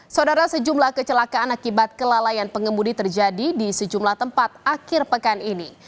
saudara sejumlah kecelakaan akibat kelalaian pengemudi terjadi di sejumlah tempat akhir pekan ini